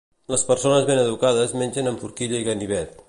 Les persones ben educades mengen amb forquilla i ganivet